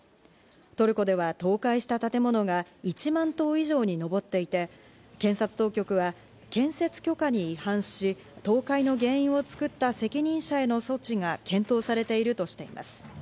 トルコでは倒壊した建物が１万棟以上にのぼっていて、検察当局は、建設許可に違反し、倒壊の原因を作った責任者への措置が検討されているとしています。